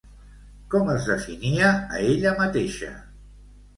Com es definia a ella mateixa?